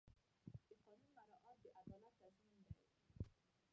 د قانون مراعات د عدالت تضمین دی.